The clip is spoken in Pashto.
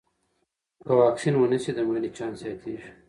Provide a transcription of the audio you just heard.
که واکسین ونه شي، د مړینې چانس زیاتېږي.